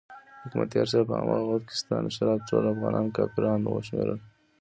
حکمتیار صاحب په هماغه وخت کې ستا نشراتو ټول افغانان کافران وشمېرل.